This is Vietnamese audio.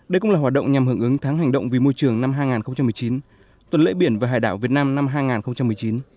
đây cũng là hoạt động nhằm hưởng ứng tháng hành động vì môi trường năm hai nghìn một mươi chín tuần lễ biển và hải đảo việt nam năm hai nghìn một mươi chín